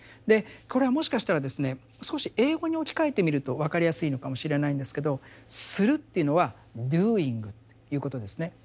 でこれはもしかしたらですね少し英語に置き換えてみると分かりやすいのかもしれないんですけど「する」というのは「ｄｏｉｎｇ」ということですね。